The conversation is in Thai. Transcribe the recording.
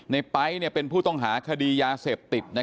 ไป๊เป็นผู้ต้องหาคดียาเสพติด